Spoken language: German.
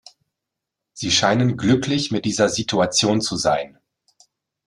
Sie scheinen glücklich mit dieser Situation zu sein.